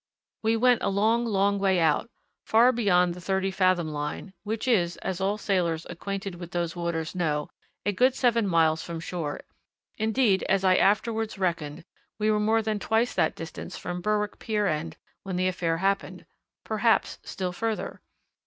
We went a long, long way out far beyond the thirty fathom line, which is, as all sailors acquainted with those waters know, a good seven miles from shore; indeed, as I afterwards reckoned, we were more than twice that distance from Berwick pier end when the affair happened perhaps still further.